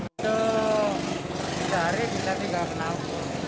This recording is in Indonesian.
itu sehari bisa tiga kenalpot